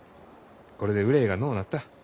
これで憂いがのうなった。